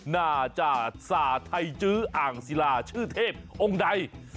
น่าจะสาไทยจื้ออ่างศิลาชื่อเทพองค์ใด